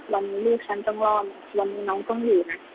วันนี้ลูกฉันต้องรอดวันนี้น้องต้องอยู่นะ